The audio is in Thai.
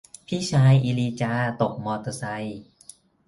พี่ชายอีลีจาตกมอเตอร์ไซค์